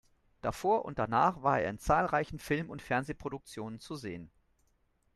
Davor und danach war er in zahlreichen Film- und Fernsehproduktionen zu sehen.